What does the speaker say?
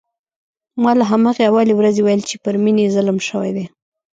ما له همهغې اولې ورځې ویل چې پر مينې ظلم شوی دی